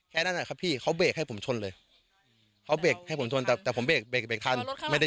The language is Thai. แค่นั้นหน่อยครับพี่เขาเบรกให้ผมชนเลย